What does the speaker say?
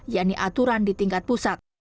yakni aturan di tingkat pusat